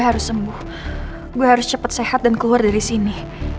gue harus sembuh gue harus cepat sehat dan keluar dari sini